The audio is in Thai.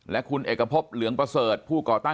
ปากกับภาคภูมิ